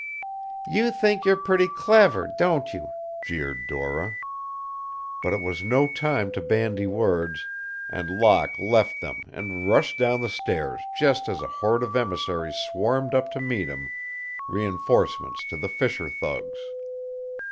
"You think you're pretty clever, don't you?" jeered Dora. But it was no time to bandy words, and Locke left them and rushed down the stairs just as a horde of emissaries swarmed up to meet him, reinforcements to the fisher thugs.